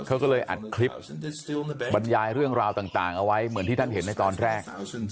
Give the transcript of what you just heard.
เขาก็เลยอัดคลิปบรรยายเรื่องราวต่างเอาไว้เหมือนที่ท่านเห็นในตอนแรก